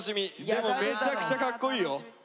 でもめちゃくちゃかっこいいよ。